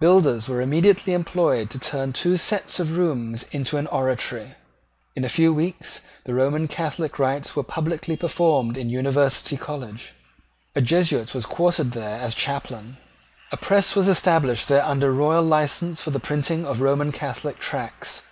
Builders were immediately employed to turn two sets of rooms into an oratory. In a few weeks the Roman Catholic rites were publicly performed in University College. A Jesuit was quartered there as chaplain. A press was established there under royal license for the printing of Roman Catholic tracts.